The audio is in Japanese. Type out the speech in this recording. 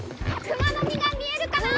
クマノミが見えるかな？